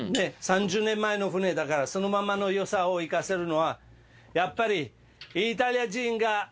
３０年前の船だからそのままの良さを生かせるのはやっぱり。